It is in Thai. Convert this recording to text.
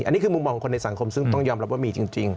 อันนี้คือมุมมองของคนในสังคมซึ่งต้องยอมรับว่ามีจริง